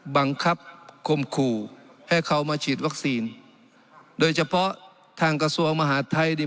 บังคับคมขู่ให้เขามาฉีดวัคซีนโดยเฉพาะทางกระทรวงมหาดไทย